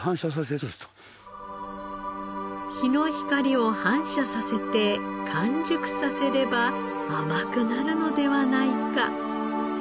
日の光を反射させて完熟させれば甘くなるのではないか。